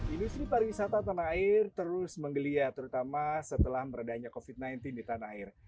industri pariwisata tanah air terus menggelia terutama setelah meredahnya covid sembilan belas di tanah air